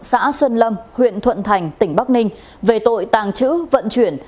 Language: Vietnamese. xã xuân lâm huyện thuận thành tỉnh bắc ninh về tội tàng trữ vận chuyển